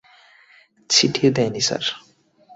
ছিটিয়ে দেয়নি, স্যার।